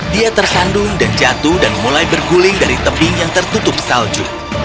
dia tersandung dan jatuh dan mulai berguling dari tebing yang tertutup salju